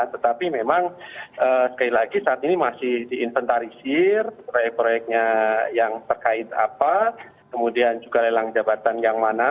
tetapi memang sekali lagi saat ini masih diinventarisir proyek proyeknya yang terkait apa kemudian juga lelang jabatan yang mana